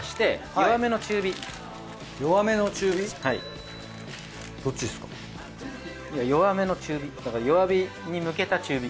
弱めの中火だから弱火に向けた中火。